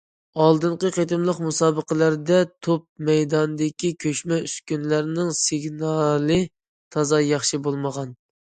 ئالدىنقى قېتىملىق مۇسابىقىلەردە توپ مەيدانىدىكى كۆچمە ئۈسكۈنىلەرنىڭ سىگنالى تازا ياخشى بولمىغان.